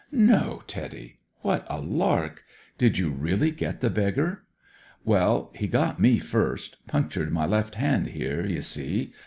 " No, Teddy ! What a lark I Did you really get the beggar ?"" Well, he got me first ; punctured my left hand here, you see.